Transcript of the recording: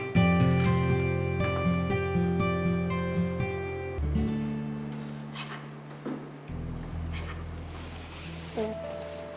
kau jadi memelukku